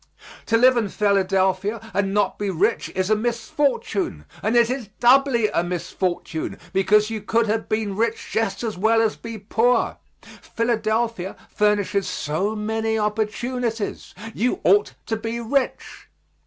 To live in Philadelphia and not be rich is a misfortune, and it is doubly a misfortune, because you could have been rich just as well as be poor. Philadelphia furnishes so many opportunities. You ought to be rich.